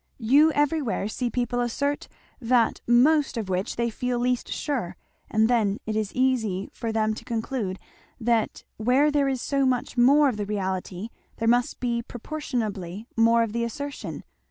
You everywhere see people assert that most of which they feel least sure, and then it is easy for them to conclude that where there is so much more of the reality there must be proportionably more of the assertion.